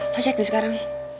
lo cek deh sekarang